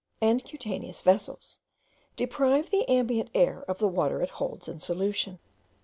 and cutaneous vessels, deprive the ambient air of the water it holds in solution.